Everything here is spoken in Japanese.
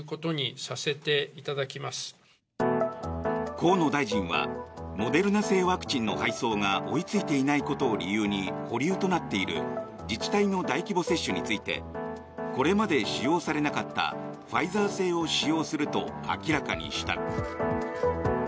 河野大臣はモデルナ製ワクチンの配送が追いついていないことを理由に保留となっている自治体の大規模接種についてこれまで使用されなかったファイザー製を使用すると明らかにした。